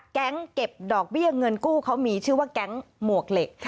แก๊งเก็บดอกเบี้ยเงินกู้เขามีชื่อว่าแก๊งหมวกเหล็ก